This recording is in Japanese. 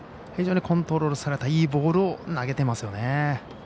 非常にコントロールされたいいボールを投げてますよね。